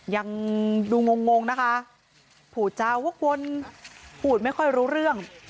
ยังดูงงนะคะผูตเจ้าว่าคนผูตไม่ค่อยรู้เรื่อง